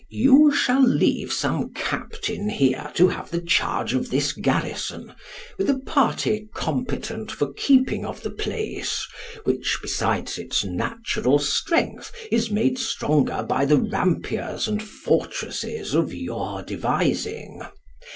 You shall leave some captain here to have the charge of this garrison, with a party competent for keeping of the place, which, besides its natural strength, is made stronger by the rampiers and fortresses of your devising.